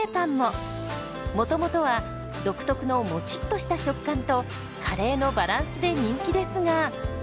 もともとは独特のモチッとした食感とカレーのバランスで人気ですが。